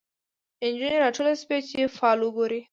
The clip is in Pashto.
نجونې راټولي شوی چي فال وګوري